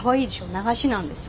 流しなんですよ。